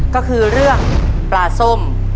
ก็คือเรื่องปลาส้ม